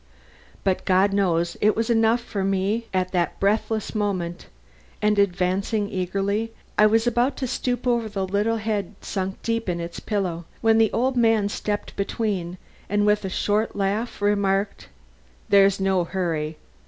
But God knows, it was enough to me at that breathless moment; and advancing eagerly, I was about to stoop over the little head sunk deep in its pillow, when the old man stepped between and with a short laugh remarked: "There's no such hurry.